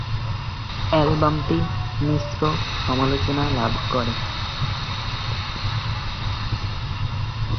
অ্যালবামটি মিশ্র সমালোচনা লাভ করে।